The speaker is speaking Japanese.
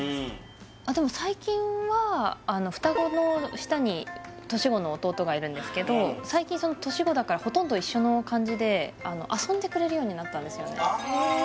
でも最近はがいるんですけど最近年子だからほとんど一緒の感じで遊んでくれるようになったんですよね